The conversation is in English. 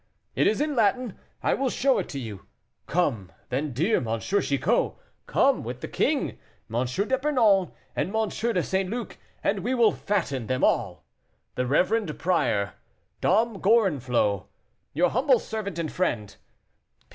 It is in Latin. I will show it you. Come, then, dear M. Chicot; come, with the king, M. d'Epernon, and M. de St. Luc, and we will fatten them all. "The reverend prior, "DOM GORENFLOT, "Your humble servant and friend.